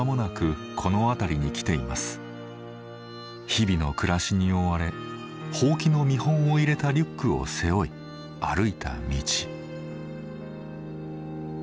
日々の暮らしに追われほうきの見本を入れたリュックを背負い歩いた道。